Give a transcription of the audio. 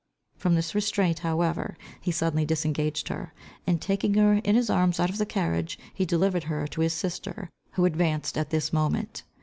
From this restraint however, he suddenly disengaged her, and taking her in his arms out of the carriage, he delivered her to his sister, who advanced at this moment.